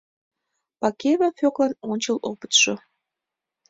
«Пакеева Фёклан «ончыл опытшо!»